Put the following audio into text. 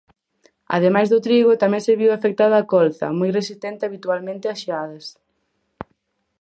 Ademais do trigo tamén se viu afectada a colza, moi resistente habitualmente ás xeadas.